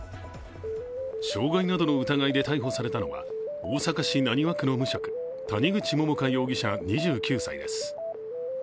傷害などの疑いで逮捕されたのは、大阪市浪速区の無職、谷口桃花容疑者２９歳です。